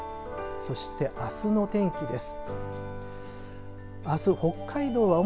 そしてあすの天気です。